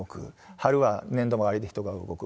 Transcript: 春は年度終わりで人が動く。